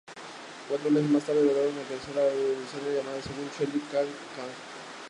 Cuatro meses más tarde lograron alcanzar la capital laosiana, llamada según Shelly "Kjang-Kjang".